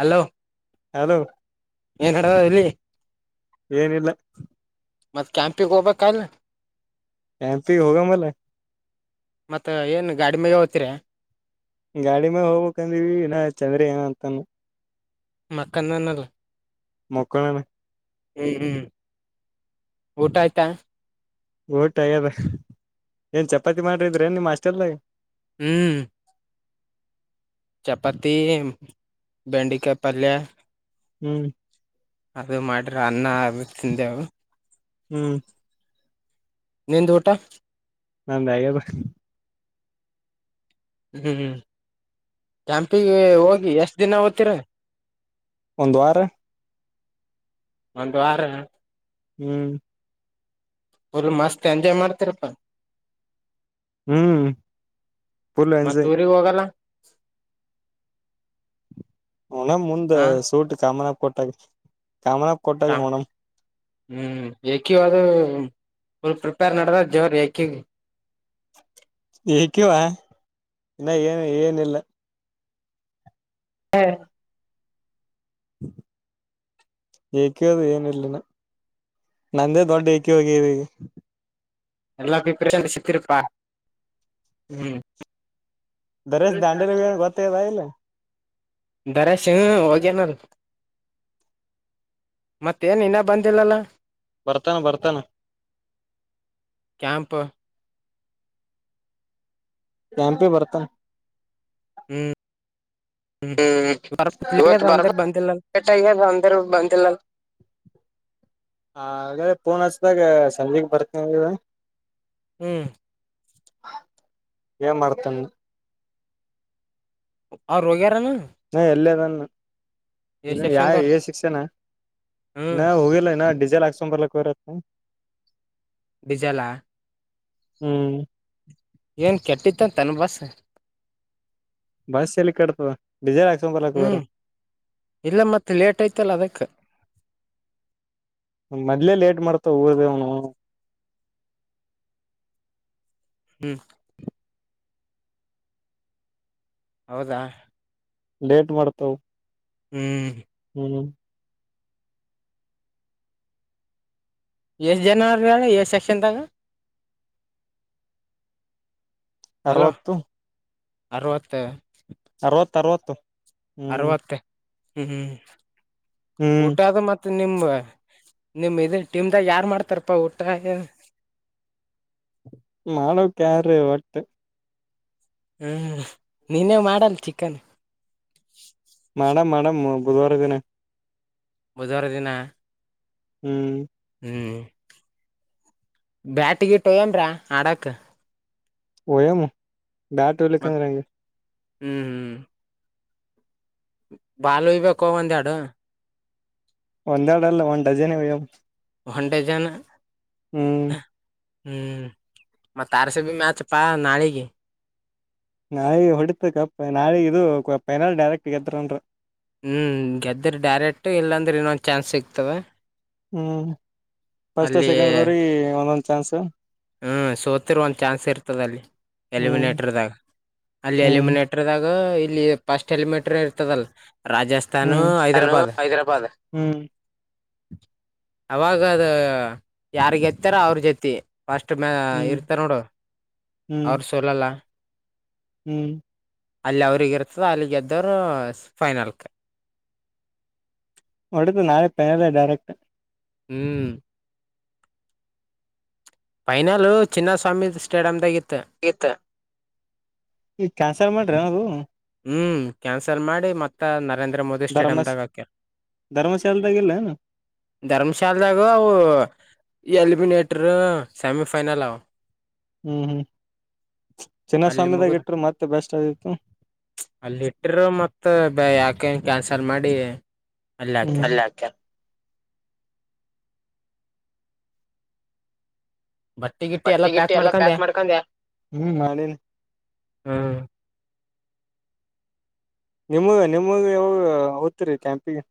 Hello hello ಏನ್ ಕಡೆ ಇಲ್ಲಿ ಏನಿಲ್ಲ ಮತ್ತತ ಕ್ಯಾಂಪಿಗೆ ಹೋಗಬೇಕಲ್ ಎಂಪಿ ಹೋಗ ಮಲ್ಲ ಮತ್ತ ಏನ್ ಗಾಡಿ ಮೇಲೆ ಹೋಗತೀರ ಗಾಡಿ ಮೇಗ್ ಹೋಗ್ಬೇಕ್ಂದಿವಿ ಇನ್ನ ಚಂದ್ರ ಏನ ಅಂತಾನ ಮಕ್ಕನ [unintelligible] ನಲ್ ಮಕ್ಕಣಣ [unintelligible] ಹ್ಮ್ ಹ್ಮ್ ಊಟ ಆಯ್ತಾ ಊಟ ಆ್ಯದ ಏನ್ ಚಪಾತಿ ಮಾಡ್ರಿದ್ರೆನ್ ನಿಮ್ ಹಾಸ್ಟೇಲ್ ಲಿ ಹ್ಮ್ ಚಪಾತಿ ಬೆಂಡೆಕಾಯಿ ಪಲ್ಯ ಹ್ಮ್ ಅದು ಮಾಡ್ರೆ ಅನ್ನ ಅದು ತಿಂದೆವು ಹ್ಮ್ ನಿಂದು ಊಟ [unintelligible] ನಂದದು ಹ್ಮ್ ಯಾಂಪಿಗೆ ಹೋಗಿ ಎಷ್ಟ್ ದಿನ ಓದ್ತೀರ ಒಂದ್ ವಾರ ಒಂದ್ ವಾರ ಹ್ಮ್ ಬರ್ ಮಾಸ್ತ್ ಎಂಜಾಯ್ ಮಾಡ್ತಿರಪ್ಪ ಹ್ಮ್ ಫುಲ್ ಮತ್ತ್ ಎಂಜಾಯ್ ಊರಿಗ್ ಹೋಗಲ್ಲ ನಣಮ ಮುಂದ ಹಾ ಸೂಟ್ ಕಾಮನ ಕೊಟ್ಟಾಗ ಕಾಮನಕ ಕೊಟ್ಟಾಗ ನೋಡಮ್ ಹ್ಮ್ ಏಕಿ ಅದು ಫುಲ್ ಪ್ರಿಪೇರ್ ನಡ್ರ ಜೋರ್ ಏಕಿಗಿ ಎಕಿವ ಇನ್ನ ಏನು ಏನಿಲ್ಲ ಹಾ ಏಕಿದು ಏನು ಇಲ್ಲೆನ ನಂದೇ ದೊಡ್ಡ ಏಕಿ ಆಗಿವೆ ಈಗ ಎಲ್ಲಾ ಪ್ರೀಪಂತ [unintelligible] ಸಿತರುಪಾ ಹ್ಮ್ ದರೇಶ್ ದಾಂಡೇಲಿ ಹೋಗನ ಗೊತ್ತದ ಇಲ್ಲ? ದರೆಶು ಹೋಗೆನಾರು, ಮತ್ತೇನ್ ಇನ್ನ ಬಂದಿಲ್ಲಲ್ಲ, ಬರ್ತಾನ ಬರ್ತಾನ ಕೆಯಾಂಪ್ ಟ್ಯಾಂಪೆ ಬರ್ತನ್ ಹ್ಮ್ ಹ್ಮ್ ಬ ಪುಲಿ ಇವತ್ತು ಬ ಬರ್ ಬ ಲೇಟ್ ಆಗ್ಯದ ಅಂದ್ರ ಹ ಹಾಗೆ ಪೂಣ ಹಚ್ಚದಾಗ ಸಂಜೆೆಗೆ ಬರ್ತ ಹ್ಮ್ ಮಾಡರ್ತ ಅವ ರೋಗಾರನಾ ಹ್ಮ ಎಲ್ಲೇ ನನ್ ಎ ಇನ್ನು ಯಾ ಸೆಕ್ಷನ್ದವ್ರ ಶಿಕ್ಷೆನ ಹ್ಮ್ ಇ ಹೋಗಿಲ್ಲ ಇನ್ನ ಡೀಸೆಲ್ ಹಾಕ್ಸಕೊಂಡ್ ಬರ್ಲ ಕೊರತ್ತ ಜಾಲ ಹ್ಮ್ ಏನ್ ಕೆಟ್ಟಿತ್ತ ತನ್ನ ಬಸ ಬಸ್ ಎಲ್ಲಿ ಕಡ್ತದೆ ಹ್ಮ್ ಇಲ್ಲ ಮತ್ತ ಲೇಟ್ ಐತಲ್ಲ ಅದಕ್ಕ ಮೊದ್ಲೇ ಲೇಟ್ ಮಾಡ್ತವ ಊರ್ದೇವ್ನು ಹ್ಮ್ ಹೌದಾ ಲೇಟ್ ಮಾಡ್ತಾವ ಹ್ಮ್ ಹ್ಮ್ ಎಷ್ಟ ಜನವರಿಡ ಎ ಸೆಕ್ಷನ್ ತಾಗ ಅರವತ್ತು ಅವತ ತರ್ವತ್ತು ಅರವತ್ತ ಹ್ಮ್ ಹ್ಮ್ ಹ್ಮ್ ಊಟದ ಮತ್ತೆ ಮ ನಿಮ ನಿಮ್ ಇದ ಟೀಮ್ದಾಗ ಯಾರ ಮಾಡ್ತಾರಪ್ಪಾ ಊಟ ಮಾಡಡೋ ಕಾರ ಒಟ್ಟು ಹ್ಮ್ ನೀನೇ ಮಾಡಲ್ ಚಿಕನ್ ಮೇಡಮ್ ಮೇಡಮ್ ಬುಧವಾರ ದಿನ ಬದರನ್ನ ಹ್ಮ್ ಹ್ಮ್ ಬ್ಯಾಟಗಿಟ್ಟುಯ್ಯನ್ ಆಡಕ್ ಯಾಮ ಮತ್ ಬ್ಯಾಟರಿಲ್ಲಿಕ್ಕೆಗೆ ಹ್ಮ್ ಹ್ಮ್ ಬಾಲ್ ಇಬೇಕು ಒಂದ್ಯಾಡು ಒಂದೆರಡು ಅಲ್ಲ ಒಂದ್ ಡಜನ್ ಇವ ಹಣಂಡೆ ಜನ ಹ್ಮ್ ಹ್ಮ್ ಮತ್ತ ತಾರಸ ಮ್ಯಾಚ್ ಪ ನಳಗೆ ನಾಳಿ ಹೊಡಿತ ಕಪ್ ನಾಳಿ ಇದು ಫೈನಲ್ ಡೈರೆಕ್ಟ್ ಗೆದ್ರನ್ರ ಹ್ಮ್ ಗೆದ್ದ್ರ ಡೈರೆಕ್ಟ್ ಇಲ್ಲಾಂದ್ರೆ ಇನ್ನೊಂದ್ ಚಾನ್ಸ್ ಸಿಗ್ತವೆ ಹ್ಮ್ ಫಸ್ಟ್ ಸೆಕೆಂಡ್ವ್ರೀ ಒಂದೊಂದು್ ಚಾನ್ಸ ಹ್ಮ್ ಸೋತಿರ್ ಒಂದ್ ಚಾನ್ಸ್ ಇರ್ತದ ಅಲ್ಲಿ ಹ್ಮ್ ಎಲಿಮಿನೇಟರ್ದಾಗ ಅಲ್ಲಿ ಹ್ಮ್ ಎಲಿಮಿನೇಟರ್ದಾಗ ಇಲ್ಲಿ ಪಫಸ್ಟ್ ಎಲಿಮೇಟರ್ ಇರ್ತದಲ್ ರಾಜಸ್ಥಾನ ಹ್ಮ್ ನಾನು ಹೈದ್ರಾಬಾಾದ್ ಹೈದರಾಬಾದ್ ಹ್ಮ್ ಅವಾಗದ ಯಾರ್ಗ ಎತ್ತಾರ ಅವ್ರ ಜೊತಿ ಅಷ್ಟ ಮ ಹ್ಮ್ ಇರ್ತ ನೋಡು ಹ್ಮ್ ಅವ್ರ ಸೋಲಲ್ಲ ಹ್ಮ್ ಅಲ್ಲಿ ಅವ್ರಗ ಇರ್ತದ ಅಲ್ಲಿ ಗೆದ್ದೋರು ಫೈನಲ್ಗೆ ಒಡತ ನಾಳೆ ಪನದ ಡೈರಕ್ಟ್ ಹ್ಮ್ ಫೈನಲ್ ಚಿನ್ನಸ್ವಾಮಿ ಸ್ಟೇಡಿಯಂ್ದಾಗಿತ್ತು ಇತ ಈಗ ಕ್ಯಾನ್ಸಲ್ ಮಾಡ್ರಿ ನವು ಹ್ಮ್ ಕ್ಯಾನ್ಸಲ್ ಮಾಡಿ ಮತ್ತ ನರೇಂದ್ರ ಮೋದಿ ಧರ್ಮಸ್ ಸ್ಟೇಡಿಯಮ್ದಾಗಕ ಧರ್ಮಶಾಲದಾಗಿಲ್ಲ ಹ್ಮ್ ಧರ್ಮಶಾಲ ಜಾಗ ಅವು ಈ ಎಲಿಮಿನೇಟರ್ ಸೆಮಿಫೈನಲ್ ಆವು ಹ್ಮ್ ಹ್ಮ್ ಅಲ್ಲಿ ಚಿನ್ನಸ್ವಾಮಿ ದಾಗ ಮುಗುದ್ ಇಟ್ರೆ ಮತ್ತೆ ಬೆಸ್ಟ್ ಆಗಿತ್ತು ಅಲ್ಲಿ ಇಟ್ಟರು ಮತ್ತ ಬ ಯಾಕೆ ಕ್ಯಾನ್ಸಲ್ ಮಾಡಿ ಅಲ್ಲಿ ಹಾಕ್ಯಾರ ಹ್ಮಲ್ಲಾಕ್ಕ ಬಟ್ಟಿಗಿಟ್ಟಿ ಎಲ್ಲಾ ಪ್ಯಾಕ್ ಮಾಡ್ಕೊಂಡೆ ಹ್ಮ್ ಮಾಡೇನಿ ಹಾ ನಿಮಗೆ ನಿಮಗೆಾವ ಓದ್ತರಿೀ ಕೆ್ಯಾಂಪಿಗೆ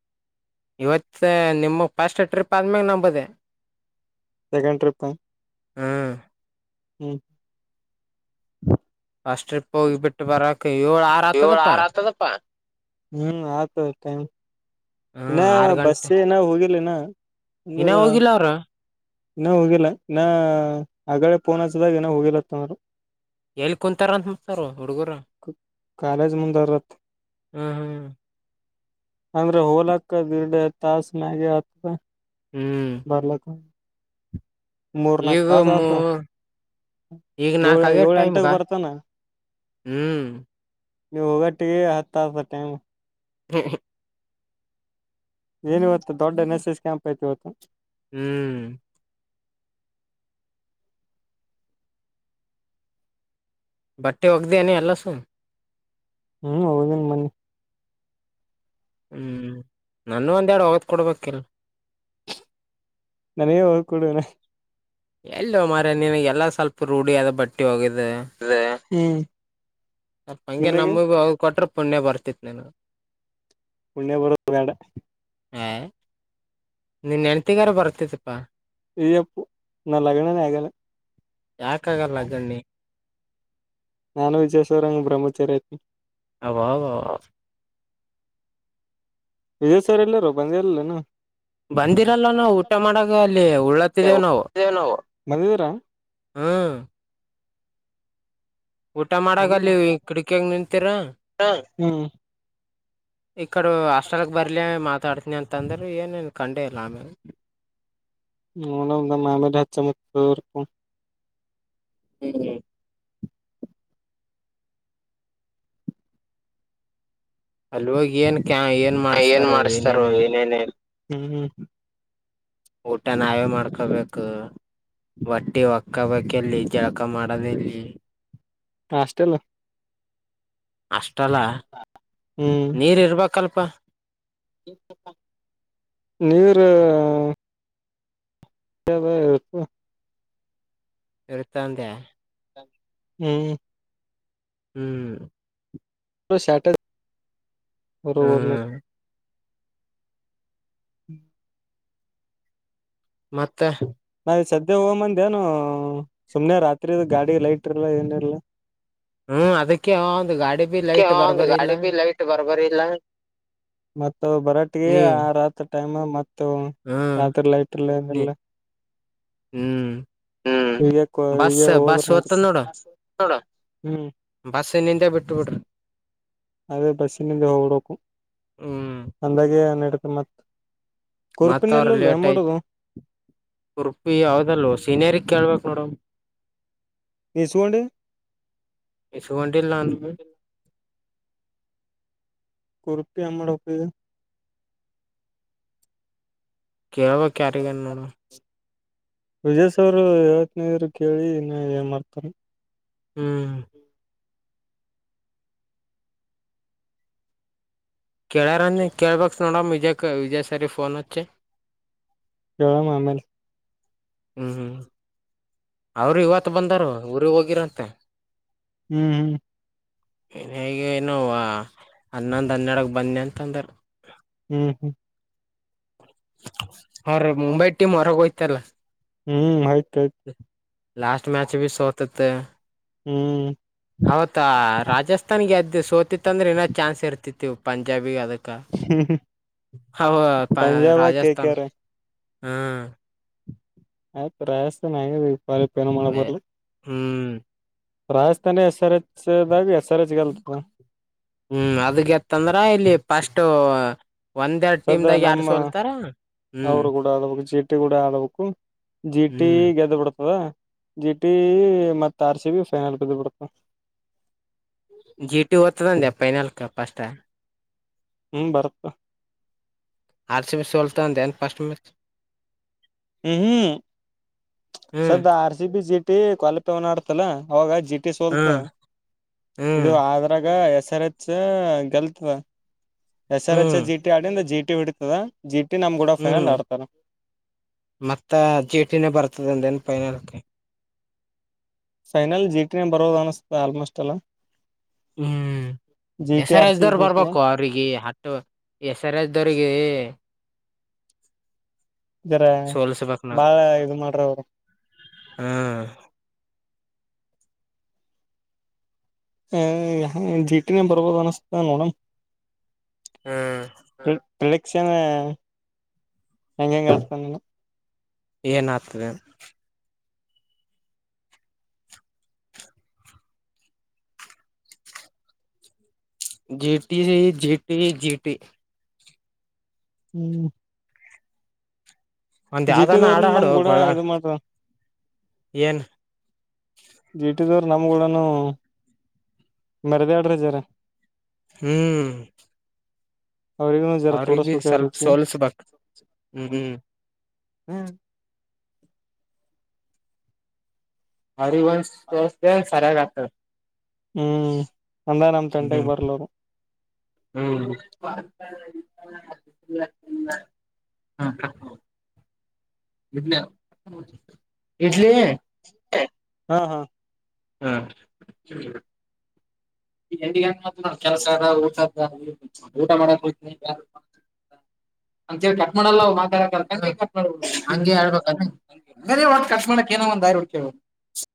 ಇವತ್ ನಿಮ್ಮ ಫಸ್ಟ್ ಟ್ರಿಪ್ ಆದ್ಮ್ಯಾಗ ನಂಬದೆ ಸೆಕೆಂಡ್ ಟ್ರಿಪ್ ಹ್ಮ್ ಹ್ಮ್ ಅಷ್ಟ ಟ್ರಿಪ್ ಹೋಗಿ ಬಿಿಟ್ಟು ಬರಕ ಏಳು ಆರ್ ಏಳ್ ಆತದಪ್ಪ ಆರ್ ಆತದಪ್ಪಾ ಹ್ಮ್ ಆಯತ ಟೈಮ್ ಇನ್ನ ಹ್ಮ್ ಬಸ್ಸ ಏನ ಹೋಗಿಿಲ್ಲಿನ ಇನ ಹೋಗಿಲ್ಲ ಅವ್ರ ಇನ್ನ ಹೋಗಿಲ್ಲ ಇನ್ನ ಆಗಲ್ಲ ಫೋನ್ ಹಚ್ಚಿ ದಾಗ ಏನ ಹೋಗಿಲ್ಲತ್ತನರು ಎಲ್ಲಿ ಕುೂಂತಾರಂತ ಮಸಾರ ಹುಡುಗರ ಕಾಲೇಜ್ ಮುಂದರತ್ ಹ್ಮ್ ಹ್ಮ್ ಅಂದ್ರೆ ಹೋಲಕ್ಕ ಬಿರ್ಡೆ ತಾಸ ಮಾಗೆ ಹತ್ತ ಹ್ಮ್ ಬರ್ಲಕ್ಕ ಮೂರ್ನಾಕ್ ಈಗ ತಾಸ ಮೂ ಈಗ ಏಳ ನಾಕ್ ಆಗ್ಯದ ಏಳು ಟೈಮ್ಗ ಅಂಟಾಗ ಬರ್ತಾನ ಹ್ಮ್ ನೀವು ಹೋಗಟ್ಟ ಹತ್ತ ಟೈಮ ಹ್ಮ್ ಹ್ಮ್ ಏನ ಇವತ್ತು ದೊಡ್ಡ ಎನ್ ಎಸ್ ಎಸ್ ಕ್ಯಾಂಪ್ ಆಯತು ಇವತ್ತು ಹ್ಮ್ ಬಟ್ಟೆ ಒೋಗ್ದನಿ ಎಲ್ಲ ಸು ಹ್ಮ್ ಹೋಗದನ್ ಮನ್ನಿ ಹ್ಮ್ ನನ್ನು ಒಂದೆಡು ಒಗತ್ ಕೊಡ್ಬೇಕಿಲ್ ನನಗೆ ಹೋಗ ಕೊಡುವನೆ ಎಲ್ಲ ಮಾರ ನಿಿನಗೆ ಎಲ್ಲಾ ಸ್ವಲ್ಪ ರೂಢಿ ಅದ ಬಟ್ಟಿ ಹೋಗಿದ ರ ಹ್ಮ ಸ್ಲ್ಪ ಹಂಗೆ ನಮ ಭ ಹೋಗ ಕೊಟ್ರೆ ಪುಣ್ಯ ಬರ್ತಿತ್ ನನು ಪುಣ್ಯ ಬರದ ಬ್ಯಾಡ ಹ ನಿನ್ ಹೆನ್ತಿಗಾರ ಬರ್ತತಿಪ್ಪಾ ಇ ಅಪ್ಪು ನ ಲಗ್ನನೆ ಆಗಾಲ ಯಾಕ ಆಗಲ್ಲ ನಿ ಲಗ್ನ ನಾನು ವಿಶ್ವೇಶ್ವರಯ್ಯ ಹಂಗ ಬ್ರಹ್ಮಚರಿತಿ ಅಬಾಬ ವಿಜಯ್ ಸರ್ ಎಲ್ಲಾರೋ ಬಂದಿಇಲ್ಲೇನ ಬಂದಿರಲ್ಲ ನಾವು ಊಟ ಮಾಡಾಗ ಅಲ್ಲಿ ಉಳ್ಳತ್ತಿದ್ದೇವು ನಾವು ನಾವು ಬಂದಿದೀರಾ ಹ್ಮ್ ಊಟ ಹ್ಮ್ ಮಾಡಾಗಲ್ಲಿ ಕಿಡಕಿಯಾಗ ನಿಂತೀರ ಇಕ್ಕಡ ಹಾಸ್ಟಲ್ಗೆ ಬರಲಿ ಮಾತಾಡ್ತನಿ ಅಂತ ಅಂದರು ಏ ನನು ಕಖಂಡ ಇಲ್ಲಾ ಆಮೇಲೆ ನೋಡೋಣ ದಮ್ ಆಮೇಲೆ ಹಚ್ಚ ಫೋನ್ [unintelligible] ಹ್ಮ್ ಹ್ಮ್ ಅಲ ಹೋಗಿ ಏನ್ ಕ ಏನ್ ಮಾಡಸ್ತಾರ ಮಾಡಿಸ್ತಾರೋ ಏನೇನಿಲ್ಲ ಏನೇನ ಹ್ಮ್ ಹ್ಮ್ ಹ್ಮ ಊಟ ನಾವೇ ಮಾಡ್ಕೊಬೇಕು. ವಟ್ಟಿ ಒಕ್ಕಬಕಲ್ಲಿ ಜಳಕ ಮಾಡದೆಲ್ಲಿ ಹಾಸ್ಟೆಲ್ ಹಾಸ್ಟೆಲ್ ನೀರ ಇರ್ಬೇಕಲ್ಪ ನೀರು ಕೆು [unintelligible] ಇಳ್ತಂದೆ ಹ್ಮ್ ಹ್ಮ್ ಸಾಟಡೇ ಹ್ಮ್ ಹ್ಮ್ ಮತ್ತ ನಾ ಸದ್ಯ ಹೋಗ ಮಂದ ಏನು ಸುಮ್ನೆ ರಾತ್ರಿ ಗಾಡಿ ಲೈಟ್ ಇರ್ಲ್ಲ ಏನಿರ್ಲ. ಹ್ಮ್ ಅದಕ್ಕೆ ಒಂದ್ ಗಾಡಿ ಬಿ ಲೈಟ್ ಒಂದು ಬರ್ಬರಿಲ್ಲ ಗಾಡಿ ಬಿ ಲೈಟ್ ಬರ್ಬರಿ ಇಲ್ಲ. ಮತ್ತ ಬರಾಟ್ಟಿಗೆ ನೀವ್ ಆರಾತ್ ಟೈಮ್ ಮತ್ ಹ್ಮ್ ರಾತ್ರಿ ಲೈಟ್ ಇರಲ್ಲ ನೀ ಏನಿಲ್ಲ ಹ್ಮ್ ಈಗ ಬಸ್ ಈಗ ಹೋದ್ರ ಹ್ಮ್ ಬಸ ನಿಂದಾ ಬಿಟಬಿಟುರ್ ಆದೇ ಬಸ್ಸಿನಿಂದೆ ಹೋಗಡಕು ಹ್ಮ್ ಅಂದಾಗೆ ನಡತ ಮತ್ತ ಮತ್ತ ಅವರು ಲೇಟ್ ಯತ್ ಮಾಡೋದು ಉರ್ಪಿ ಯಾವದಲ್ ಸೀನಿಯರಿಗೆ ಕೇಳ್ಬೇಕ ಹಡಮ ಇಸ್ಕೊಂಡಿ ಇಸಕೊಂಡಿಲ್ಲ ನಾನು ಕುರ್ತ ಹೆಂಗ್ ಮಾಡ್ಬೇಕ್ ಈಗ ಕೇಳುವ ಕ್ಯಾರಿಗನ ನೋಡ ವಿಜಯ್ ಸರ್ ಹೇಳ್ತೇನೆ ಅಂದಿದರ ಕೇಳಿ ಇನ್ನು ಏನ್ ಮಾಡ್ತಾರೆ ಹ್ಮ್ ಕೇಳ್ಯಾರ ನೀ ಕೇಳ್ಬೇಕ ನೋಡಮ ವಿಜಯ ವಿಜಯ್ ಸರ್ ಫೋನ್ ಹಚ್ಚಿ. ಹೇಳಮ್ ಆಮಲೆ ಹ್ಮ್ ಹ್ಮ್ ಅವರು ಇವತ್ತು ಬಂದಾರ ಊರಿಗೆ ಹೋಗಿರಂತ ಹ್ಮ್ ಹ್ಮ್ ಈಗ ಇನು ಏನ ಹನ್ನೊಂದ್ ಹನ್ನೆಡಕ್ ಬಂದಿ ಅಂತ ಅಂದಾರ ಹ್ಮ್ ಹ್ಮ್ ಅವರ ಹ್ಮ್ ಮುಂಬೈ ಟಿಮ ಹೊರಗ ಹೋಯಿತಲ್ಲ ಹ್ಮ್ ಆಯ್ತು ಆಯ್ತು ಲಾಸ್ಟ್ ಮ್ಯಾಚ ಬಿ ಸೋತತ ಹ್ಮ್ ಅವತ್ತು ಹ್ಮ್ ರಾಜಸ್ಥಾನಗೆ ಸೋತಿತ್ತ ಅಂದ್ರ ಇನ್ನ ಚಾನ್ಸ್ ಇರ್ತಿತ್ ಇವ ಪಂಜಾಬಿ ಅದಕ್ ಆವಾ Punjab K K Rajasthan R ಹ್ಮ್ ಆಯ್ತ್ ರಯಸ್ತ ನ ಪಪ್ ಏನ ಮಾಡಕ್ ಬರ್ಲಿ ಹ್ಮ್ ರಾಜಸ್ಥಾನ ಎಸ್ ಆರ್ ಎಚ್ ದಾಗ ಎಸ್ ಆರ್ ಎಚ್ಲ್ತ ಹ್ಮ್ ಅದಗೆತ್ತ ಅಂದ್ರ ಇಲ್ಲಿ ಫಸ್ಟ್ ಒಂದೆ ಟೀಮ್ ಸದ್ದ ದಾಗ ಯಾರು ನಮ್ಮ ಸೋಲ್ತಾರ ಹ್ಮ್ ಅವರು ಕೂಡ ಆಡಬೇಕು ಜೀಟಿ ಕೂಡ ಆಡಬೇಕು ಜೀಟಿ ಹ್ಮ್ ಗೆದ್ದ್ ಬಿಡ್ತದ. ಜಿ ಟಿ ಮತ್ತ ಆರ್ ಸಿ ಬಿ ಫೈನಲ್ ಬಿದ್ದ್ ಬಿಡತ ಜಿ ಟಿ ಹೋತತದ ಅಂದೆ ಫೈನಲ್ಕ್ ಫಸ್ಟ್ ಹ್ಮ್ ಬರುತ್ತ ನ್ ಫಸ್ಟ್ ಮಚ್ ಹ್ಮ್ ಹ್ಮ್ ಹ್ಮ್ ಸ್ದ ಆರ್ ಸಿ ಬಿಸಟ್ ಕೊಲ್ಪೆವನ ಆಡ್ತಲ ಅವಾಗ ಜಿ ಟಿ ಸೋಲ್ತ ಹ್ಮ್ ಇದು ಹ್ಮ್ ಆದ್ರಾಗ ಎಸ್ ಎಸ್ ಆರ್ ಎಚ್ ಗಲ್ತದ ಎಸ್ ಆರ್ ಎಚ್ ಹ್ಮ್ ಜಿ ಟಿ ಆಡಿಂದ ಜಿ ಟಿ ಬಿಡತದ ಜಿಟಿ ನಮ್ ಕೂಡ ಫೈನಲ್ ಹ್ಮ್ ಆಡ್ತಾರ ಮತ್ತ ಜೀ ಟಿನ ಬರ್ತದಂದ ಏನ್ ಫೈನಲ್ ಫೈನಲ್ ಜಿ ಟ ನ ಬರೋದ ಅನಸ್ತದ ಆಲ್ಮೋಸ್ಟ್ ಎಲ್ಲ ಹ್ಮ್ S GT R S RCB ದವರ್ ಬೀಳ್ತದ ಬರ್ಬೇಕು ಅವ್ರಿಗೆ ಹಟ್ಟು ಎಸ್ ಆರ್ ಎಸ್ ದವ್ರಿಗೆ ಇದರ ಸೋಲ್ಸ್ಬೇಕ್ ನಾವ್ ಬಾಳ ಇ ಮಾಡ್ರ ಅವ್ರ ಹ್ಮ್ ಹ ಜೀಟಿನನ್ ಬರ್ಬೋದು ಅನಿಸತ ನೋಡ ಹ್ಮ್ ಪ್ರಲೆಕ್ಕ್ಷನ ಹೆಂಗಂಗಸ ಬಂದಣ ಎಏನಾಥದೆ G T G T GT ಹ್ಮ್ ಒಂದ್ ಯಾವ್ದಾನ ಹಾಡ ಜಿಟಿದವ್ರ ನಮ್ ಕೂಡ ಇದು ಮಾಡ್ರ ಎನ್ ಜಿಟಿದವರು ನಮ್ನು ಮರದ ಆಡುರಜಾರ ಹ್ಮ್ ಅವ್ರಗ ಜರ ಅವ್ರಿಗ್ ಬಿ ತೋಸ್ಬೇಕ ಸ್ವಲ್ಪ ರುಚಿ ಸೋಲ್ಸ್ಬೇಕ್ ಹ್ಮ್ ಹ್ಮ್ ಹರಿವಂಶ ಸ್ವಸ್ಥ ಸರ ತ ಹ್ಮ್ ಅಂದ ನಮ ತಂಟೆಗೆ ಬರ್ಲರು ಹ್ಮ್ ಹ ಇಡ್ಲಿ ಹ್ಮ ಹಾ ಹಾಂ ಈ ಎಂಡ ಗಂ ನಾ ಕೆಲಸ ಊಟ ಊಟ ಮಾಡಕ್ ಹನಿು ಹ ಅಂತೇಳಿ ಕಟ್ ಮಾಡಲ್ಲ ಹಂಗೆ ಹೇಳ್ಬೇಕ ಕಟ್ ಮಾಡಾಕ್ ನೋ ಒ [unintelligible]